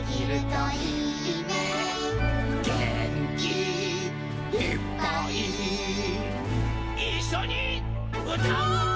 「げんきいっぱい」「いっしょにうたおう！」